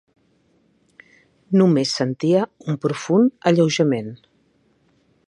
Només sentia un profund alleujament